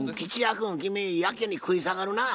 君君やけに食い下がるなぁ。